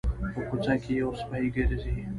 په کوڅه کې یو سپی ګرځي